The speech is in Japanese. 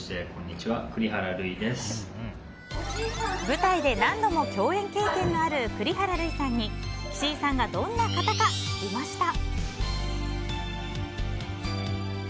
舞台で何度も共演経験のある栗原類さんに岸井さんがどんな方か聞きました。